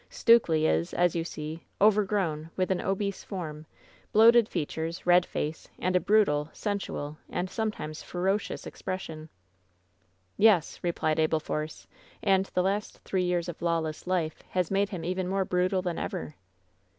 Stukely is, as you see, overgrown, with an obese form, bloated features, red face, and a brutal, sensual, and sometimes ferocious ex pression.^' "Yes," replied Abel Force, "and the last three years of lawless life has made him even more brutal than ever."